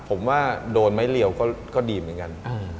ผมว่าโดนไม้เรียวก็ดีเหมือนกัน